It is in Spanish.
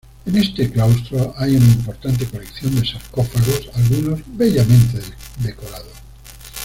En este claustro hay una importante colección de sarcófagos, algunos bellamente decorados.